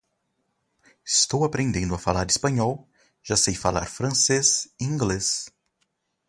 Estou aprendendo a falar espanhol, já sei falar francês e inglês.